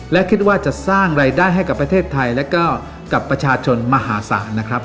และคิดว่าจะสร้างรายได้ให้กับประเทศไทยและก็กับประชาชนมหาศาลนะครับ